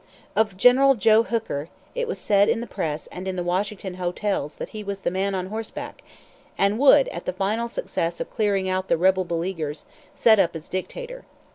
Of General "Joe" Hooker, it was said in the press and in the Washington hotels that he was the "Man on Horseback," and would, at the final success of clearing out the rebel beleaguers, set up as dictator.